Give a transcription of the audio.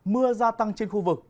mưa gia tăng trên khu vực